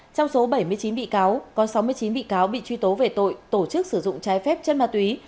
trong số bảy mươi chín bị cáo có sáu mươi chín bị cáo bị truy tố về tội tổ chức sử dụng trái phép chất ma túy